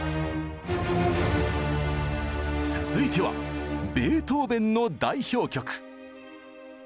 続いてはベートーベンの代表曲。